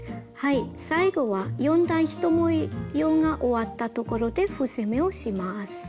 最後は４段１模様が終わったところで伏せ目をします。